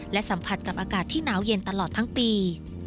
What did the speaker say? และสัมผัสกับอากาศที่หนาวเย็นตลอดทั้งปี